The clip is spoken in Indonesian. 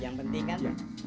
yang penting kan